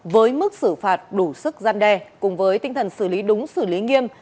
với mức xử phạt đủ sức gian đe cùng với tinh thần xử lý đúng xử lý nghiêm